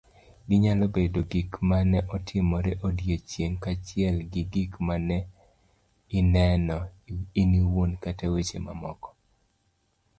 Ginyalo bedo gik mane otimore eodiochieng' , kaachiel gi gik maneineno iniwuon kata weche mamoko